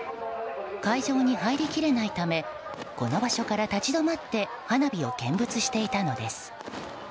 会場に入りきれないためこの場所から立ち止まって花火を見物していたのです。